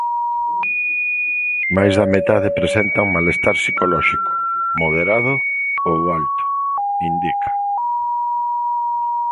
"Máis da metade presentan malestar psicolóxico moderado ou alto", indica.